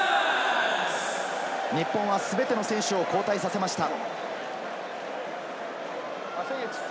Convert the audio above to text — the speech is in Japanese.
日本は全ての選手を交代させました。